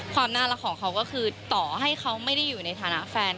ความน่ารักของเขาก็คือต่อให้เขาไม่ได้อยู่ในฐานะแฟน